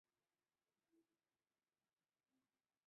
它是中古英语的一个分支。